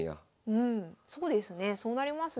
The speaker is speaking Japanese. うんそうですねそうなりますね。